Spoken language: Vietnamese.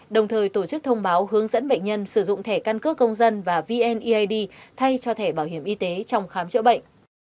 đồng thời tổ chức thông báo hướng dẫn bệnh nhân sử dụng thẻ căn cước công dân và vneid thay cho thẻ bảo hiểm y tế trong khám chữa bệnh